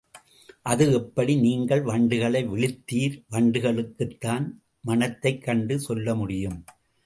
அது எப்படி நீங்கள் வண்டுகளை விளித்தீர் வண்டுகளுக்குத்தான் மணத்தைக் கண்டு சொல்ல முடியும்.